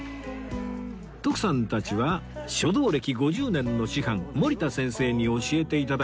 徳さんたちは書道歴５０年の師範森田先生に教えて頂き